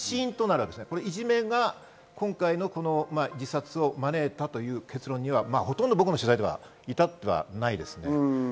いじめが今回の自殺を招いたという結論にはほとんど僕の取材では至っていないです。